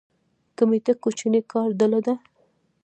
کمیټه کوچنۍ کاري ډله ده